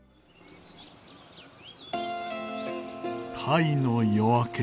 タイの夜明け。